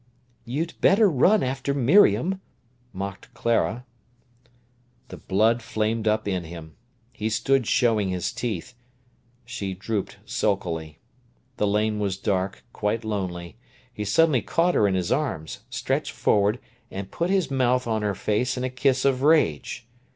"You'd better run after Miriam," mocked Clara. The blood flamed up in him. He stood showing his teeth. She drooped sulkily. The lane was dark, quite lonely. He suddenly caught her in his arms, stretched forward, and put his mouth on her face in a kiss of rage.